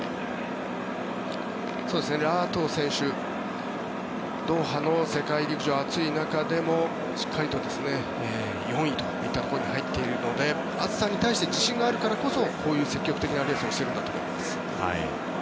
ラ・アトウ選手ドーハの世界陸上暑い中でもしっかりと４位といったところに入っているので暑さに対して自信があるからこそこういう積極的なレースをしてるんだと思います。